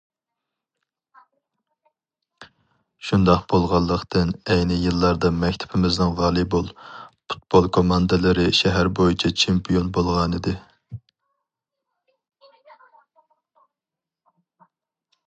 شۇنداق بولغانلىقتىن ئەينى يىللاردا مەكتىپىمىزنىڭ ۋالىبول، پۇتبول كوماندىلىرى شەھەر بويىچە چېمپىيون بولغانىدى.